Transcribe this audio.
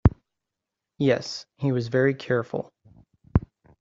Yes, he was very careful.